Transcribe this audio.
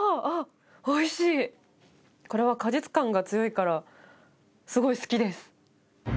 おいしいこれは果実感が強いからすごい好きです